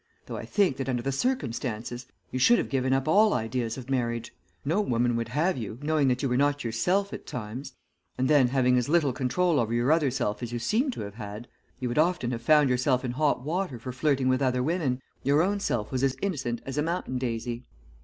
"Though I think that, under the circumstances, you should have given up all ideas of marriage. No woman would have you, knowing that you were not yourself at times; and then having as little control over your other self as you seem to have had, you would often have found yourself in hot water for flirting with other women, when, in reality, your own self was as innocent as a mountain daisy."